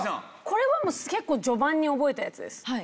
これはもう結構序盤に覚えたやつです。